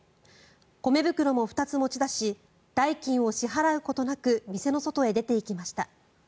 米袋も２つ持ち出し代金を支払うことなく店の外へ出ていきました。